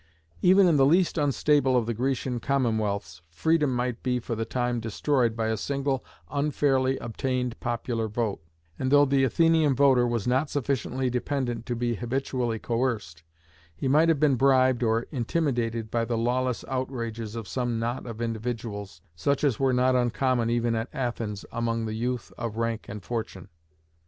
Even in the least unstable of the Grecian commonwealths, freedom might be for the time destroyed by a single unfairly obtained popular vote; and though the Athenian voter was not sufficiently dependent to be habitually coerced, he might have been bribed or intimidated by the lawless outrages of some knot of individuals, such as were not uncommon even at Athens among the youth of rank and fortune.